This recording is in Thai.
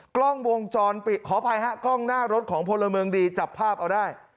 กล้องวงจรปิดขออภัยฮะกล้องหน้ารถของพลเมืองดีจับภาพเอาได้